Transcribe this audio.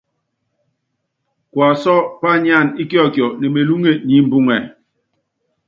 Kuasú pányánana íkiɔkiɔ ne melúŋe niimbuŋɛ.